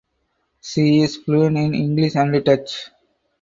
She is fluent in English and Dutch.